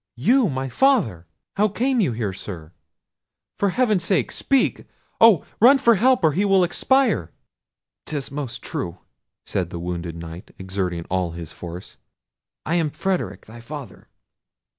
You my father! How came you here, Sir? For heaven's sake, speak! Oh! run for help, or he will expire!" "'Tis most true," said the wounded Knight, exerting all his force; "I am Frederic thy father.